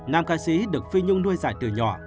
nam ca sĩ được phi nhung nuôi dài từ nhỏ